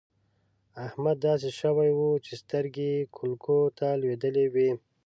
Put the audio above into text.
احمد داسې شوی وو چې سترګې يې کولکو ته لوېدلې وې.